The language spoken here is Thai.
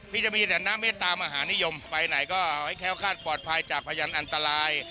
จะมีแต่น้ำเมตตามหานิยมไปไหนก็ให้แค้วคาดปลอดภัยจากพยานอันตราย